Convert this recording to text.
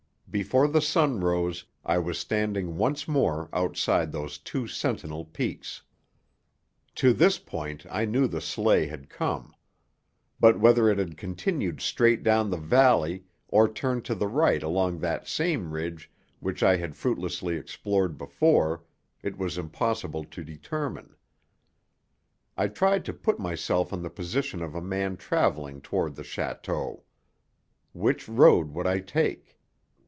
Before the sun rose I was standing once more outside those two sentinel peaks. To this point I knew the sleigh had come. But whether it had continued straight down the valley or turned to the right along that same ridge which I had fruitlessly explored before, it was impossible to determine. I tried to put myself in the position of a man travelling toward the château. Which road would I take?